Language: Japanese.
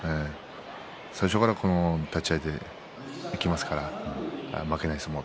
最初から立ち合いでいきますから、負けない相撲。